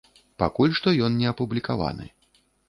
Пакуль што ён не апублікаваны.